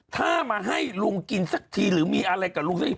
ถ้ามาให้ลุงกินสักทีหรือมีอะไรกับลุงสักที